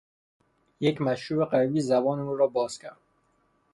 یک مشروب قوی زبان او را باز کرد.